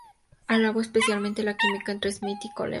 Alabó especialmente la química entre Smith y Coleman.